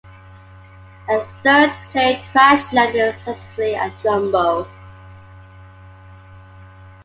A third plane crash-landed successfully at Jumbo.